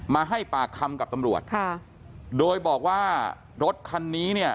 มาให้ปากคำกับตำรวจค่ะโดยบอกว่ารถคันนี้เนี่ย